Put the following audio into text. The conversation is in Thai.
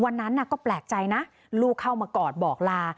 วันนั้นก็แปลกใจนะลูกเข้ามากอดบอกลา